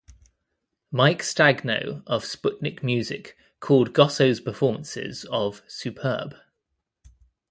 Mike Stagno of Sputnikmusic called Gossow's performances of "superb".